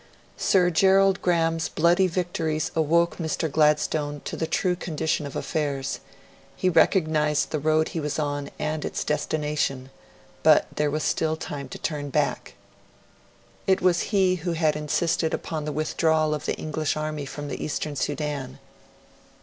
Sir Gerald Graham's bloody victories awoke Mr. Gladstone to the true condition of affairs; he recognised the road he was on and its destination; but there was still time to turn back. It was he who had insisted upon the withdrawal of the English army from the Eastern Sudan.